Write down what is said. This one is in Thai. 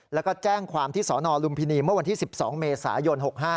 แล้วก็แจ้งความที่สนลุมพินีเมื่อวันที่๑๒เมษายน๖๕